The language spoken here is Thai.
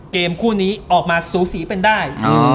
เกมคู่นี้ออกมาสูสีเป็นได้